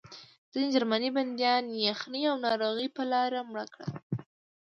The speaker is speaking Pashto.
ځینې جرمني بندیان یخنۍ او ناروغۍ په لاره مړه کړل